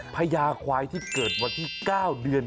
พญาควายที่เกิดวันที่๙เดือน